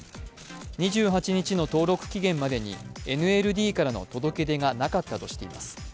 ２８日の登録期限までにＮＬＤからの届け出がなかったとしています。